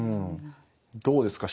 どうですか。